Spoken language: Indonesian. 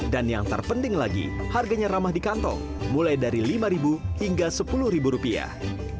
dan yang terpenting lagi harganya ramah di kantong mulai dari lima hingga sepuluh rupiah